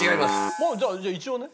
まあじゃあ一応ね。